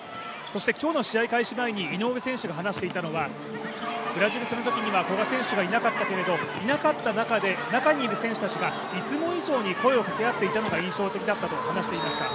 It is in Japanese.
そして今日の試合開始前に井上選手が話していたのはブラジル戦のときには古賀選手がいなかったけれども、いなかった中で、中にいる選手たちがいつも以上に声をかけ合っていたのが印象的だったと話しました。